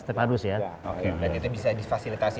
oke berarti itu bisa difasilitasi